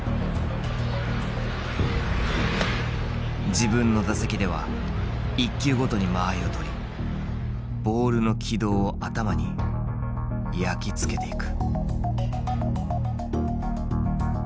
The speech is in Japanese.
自分の打席では１球ごとに間合いを取りボールの軌道を頭に焼き付けていく。